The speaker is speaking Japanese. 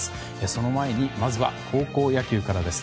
その前にまずは高校野球からです。